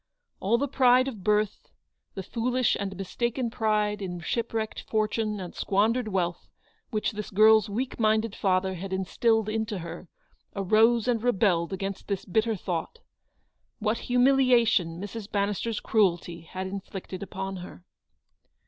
All the pride of birth, the foolish and mistaken pride in shipwrecked fortune and squandered wealth which this girl's weak minded father had instilled into her, arose and rebelled against this bitter thought. What humiliation Mrs. Bannis ter's cruelty had inflicted upon her